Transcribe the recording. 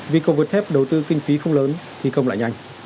vì cầu vượt thép đầu tư kinh phí không lớn thi công lại nhanh